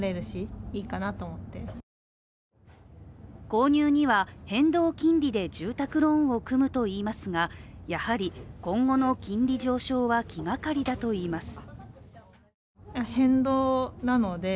購入には変動金利で住宅ローンを組むといいますがやはり、今後の金利上昇は気がかりだと言います。